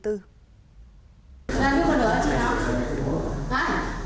chúng ta có một đứa chưa